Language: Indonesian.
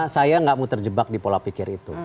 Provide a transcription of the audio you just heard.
saya nggak mau terjebak di pola pikir itu